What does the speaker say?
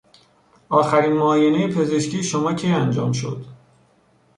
آخرین معاینهی پزشکی شما کی انجام شد؟